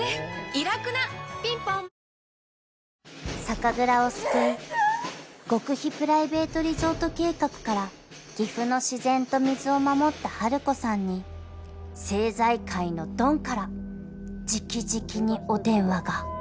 ［酒蔵を救い極秘プライベートリゾート計画から岐阜の自然と水を守ったハルコさんに政財界のドンから直々にお電話が］